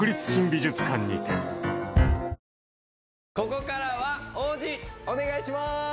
ここからは王子お願いします！